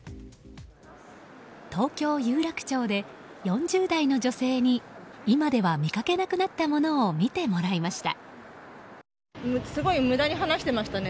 東京・有楽町で４０代の女性に今では見かけなくなったものを見てもらいました。